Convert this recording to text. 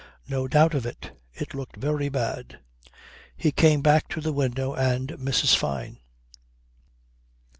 No doubt of it. It looked very bad. He came back to the window and Mrs. Fyne.